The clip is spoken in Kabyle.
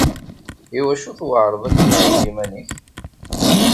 Iwacu tweɛreḍ akken ɣer yiman-ik?